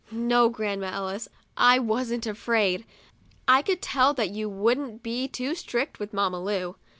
No, Grandma Ellis, I wasn't afraid ; I could tell that you wouldn't be too strict with Mamma Lu.